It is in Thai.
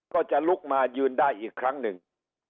ก็จะลุกมายืนได้อีกครั้งหนึ่ง